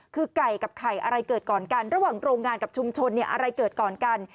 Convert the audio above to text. คือไก่กับไข่อะไรเกิดก่อนกันระหว่างโรงงานกับชุมชนอะไรเกิดก่อนกัน